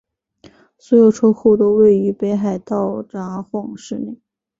所有车站都位于北海道札幌市内。